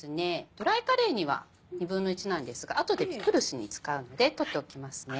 ドライカレーには１／２なんですが後でピクルスに使うので取っておきますね。